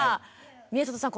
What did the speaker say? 宮里さん